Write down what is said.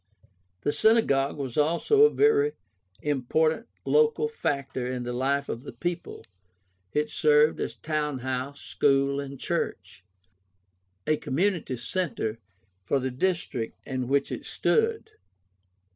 The Synagogue was also a very important local factor in the life of the people. It served as town house, school, and church — a community center for the dis trict in which it stood.